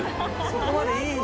そこまでいい！